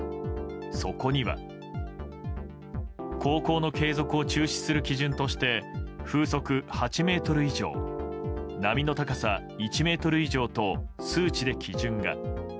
そこには航行の継続を中止する基準として風速８メートル以上波の高さ１ｍ以上と数値で基準が。